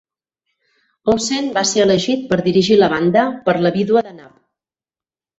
Olsen va ser elegit per dirigir la banda per la vídua de Knapp.